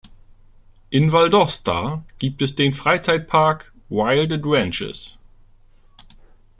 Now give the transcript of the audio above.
In Valdosta gibt es den Freizeit-Park "Wild Adventures".